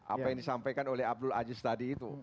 apa yang disampaikan oleh abdul aziz tadi itu